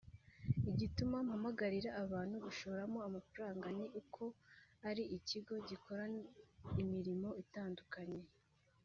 Igituma mpamagarira abantu gushoramo amafaranga ni uko ari ikigo gikora imirimo itandukanye